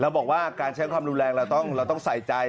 บอกว่าการใช้ความรุนแรงเราต้องใส่ใจ